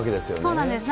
そうなんです。